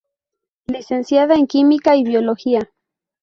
Licenciada en Química y Biología.